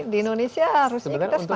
di indonesia harusnya kita semakin lama